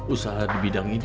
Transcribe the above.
usaha di bidang ini